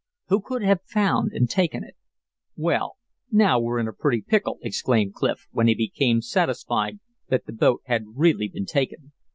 Who could have found and taken it? "Well, now we're in a pretty pickle," exclaimed Clif, when he became satisfied that the boat had really been taken.